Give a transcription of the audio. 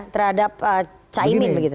terhadap caimin begitu